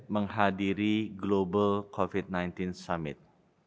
menghadiri global covid sembilan belas summit